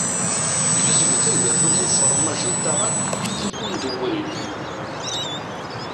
Gezmet agerrum ufermaj n taɣaṭ d tibumdewwrin.